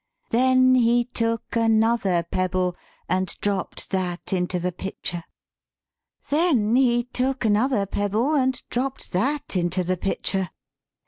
Then he took another pebble and dropped that into the pitcher. Then he took another pebble and dropped that into the pitcher.